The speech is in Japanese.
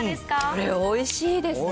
これ、おいしいですよね。